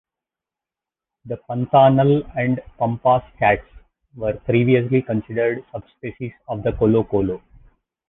The Pantanal and Pampas cats were previously considered subspecies of the colocolo.